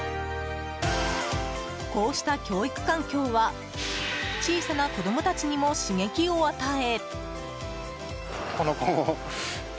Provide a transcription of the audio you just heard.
こうした教育環境は小さな子供たちにも刺激を与え。